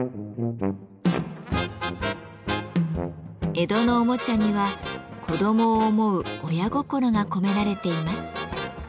江戸のおもちゃには子どもを思う親心が込められています。